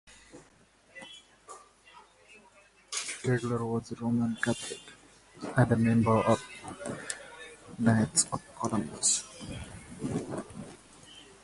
Daigeler was a Roman Catholic, and a member of the Knights of Columbus.